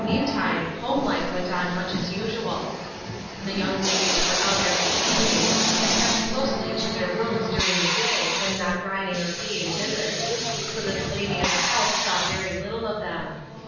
Meantime, home life went on much as usual. The young ladies were out every evening, and kept closely to their rooms during the day, when not riding or paying visits; so that the lady of the house saw very little of them.